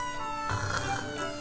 ああ。